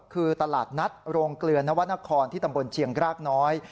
คือตลาดนัดโรงเกลือนวรรณครที่ตำบลเชียงกรากน้อย